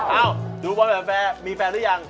เอ้าดูบอลแฟมมีแฟนหรือยัง